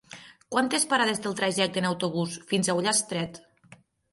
Quantes parades té el trajecte en autobús fins a Ullastret?